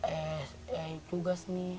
eh eh tugas nih